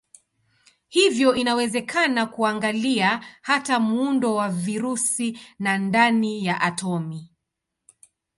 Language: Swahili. Hivyo inawezekana kuangalia hata muundo wa virusi na ndani ya atomi.